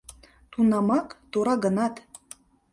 Тунамак, тора гынат